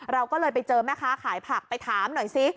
เราก็เลยไปเจอแม่ค้าขายผักไปถามหน่อยสิ